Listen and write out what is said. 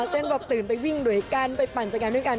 เช่นแบบตื่นไปวิ่งด้วยกันไปปั่นจักรยานด้วยกัน